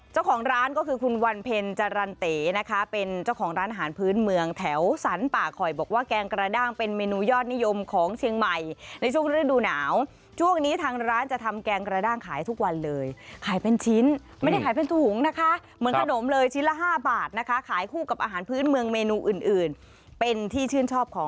เจ้าของร้านก็คือคุณวันเพ็ญจรรเต๋นะคะเป็นเจ้าของร้านอาหารพื้นเมืองแถวสรรป่าคอยบอกว่าแกงกระด้างเป็นเมนูยอดนิยมของเชียงใหม่ในช่วงฤดูหนาวช่วงนี้ทางร้านจะทำแกงกระด้างขายทุกวันเลยขายเป็นชิ้นไม่ได้ขายเป็นถุงนะคะเหมือนขนมเลยชิ้นละ๕บาทนะคะขายคู่กับอาหารพื้นเมืองเมนูอื่นอื่นเป็นที่ชื่นชอบของ